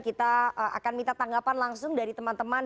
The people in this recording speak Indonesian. kita akan minta tanggapan langsung dari teman teman